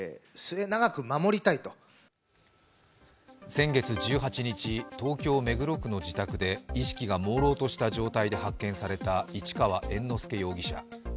先月１８日、東京・目黒区の自宅で意識がもうろうとした状態で発見された市川猿之助容疑者。